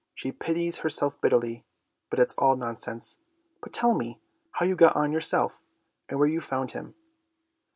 She pities herself bitterly, but it's all nonsense! But tell me how you got on yourself, and where you found him."